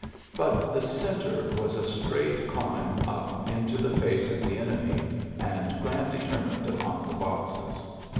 But the centre was a straight climb np into the face of the enemy; and Grant determined upon the boxes.